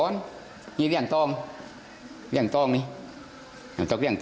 นี่เรียกซองเรียกซองเนี้ย